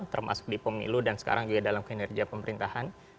termasuk di pemilu dan sekarang juga dalam kinerja pemerintahan